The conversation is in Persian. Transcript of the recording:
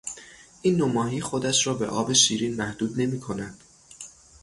این نوع ماهی خودش را به آب شیرین محدود نمیکند.